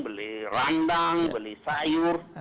beli randang beli sayur